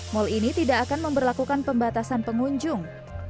mal ini tidak akan memperlakukan pembatasan pengunjung